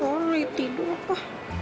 tori tidur pa